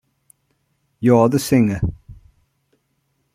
You're the singer.